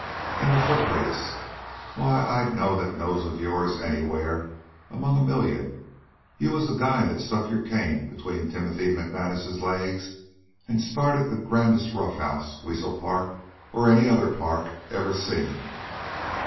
"An' the foot race? Why, I'd know that nose of yours anywhere among a million. You was the guy that stuck your cane between Timothy McManus's legs an' started the grandest roughhouse Weasel Park or any other park ever seen."